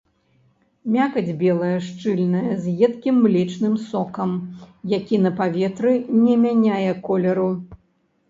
Мякаць белая, шчыльная, з едкім млечным сокам, які на паветры не мяняе колеру.